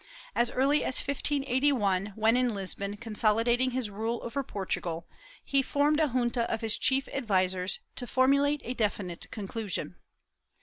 As early as 1581, when in Lisbon consolidating his rule over Portugal, he formed a junta of his chief advisers to formulate a definite conclusion.